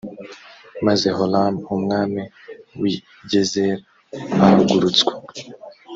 maze horamu umwami w i gezeri ahagurutswa